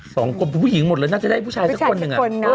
สองคนเป็นผู้หญิงหมดแล้วน่าจะได้ผู้ชายสักคนหนึ่ง